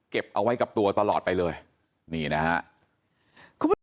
เก็บเอาไว้กับตัวตลอดไปเลยนี่นะฮะ